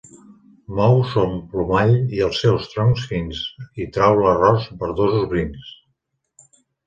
Mou son plomall i els seus troncs fins, i trau l'arròs verdosos brins.